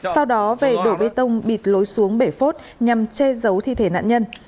sau đó về đổ bê tông bịt lối xuống bể phốt nhằm che giấu thi thể nạn nhân